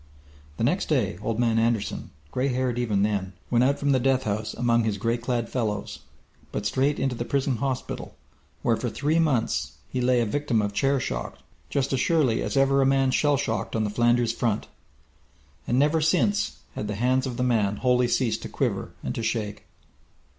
The next day Old Man Anderson, gray haired even then, went out from the death house among his gray clad fellows, but straight into the prison hospital, where for three months be lay a victim of chair shock just as surely as was ever a man shell shocked on the Flanders front. And never since had the hands of the man wholly ceased to quiver and to shake.